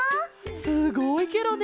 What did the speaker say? すごいケロね！